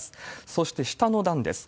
そして下の段です。